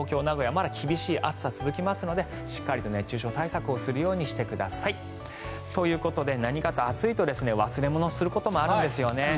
まだ厳しい暑さが続きますのでしっかりと熱中症対策をするようにしてください。ということで何かと暑いと忘れ物をすることあるんですよね。